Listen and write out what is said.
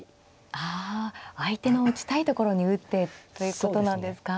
ああ相手の打ちたいところに打ってということなんですか。